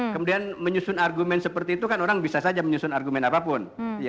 kemudian menyusun argumen seperti itu kan orang bisa saja menyusun argumen apapun